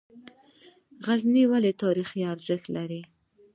غزني ولې تاریخي ارزښت لري؟